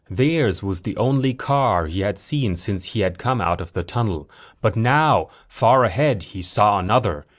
Theirs was the only car he had seen since he'd come out of the tunnel. But now, far ahead, he saw another.